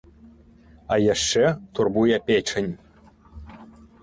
А яшчэ турбуе печань.